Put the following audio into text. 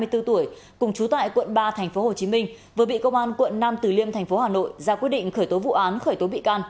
hai mươi bốn tuổi cùng chú tại quận ba tp hcm vừa bị công an quận năm từ liêm tp hcm ra quyết định khởi tố vụ án khởi tố bị can